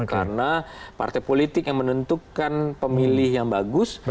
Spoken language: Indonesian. karena partai politik yang menentukan pemilih yang bagus